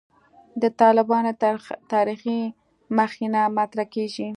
د «طالبانو تاریخي مخینه» مطرح کېږي.